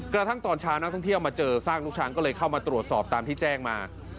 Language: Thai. กระทั่งตอนเช้านักท่องเที่ยวมาเจอซากลูกช้างก็เลยเข้ามาตรวจสอบตามที่แจ้งมา